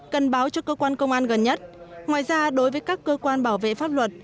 cần báo cho cơ quan công an gần nhất ngoài ra đối với các cơ quan bảo vệ pháp luật